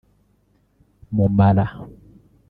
mu mara